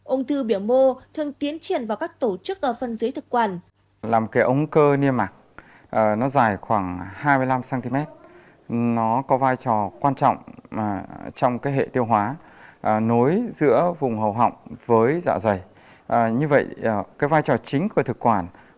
ung thư biểu mô thường tiến triển vào các tổ chức ở phần dưới thực quản